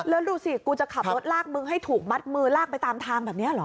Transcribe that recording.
แล้วดูสิกูจะขับรถลากมึงให้ถูกมัดมือลากไปตามทางแบบนี้เหรอ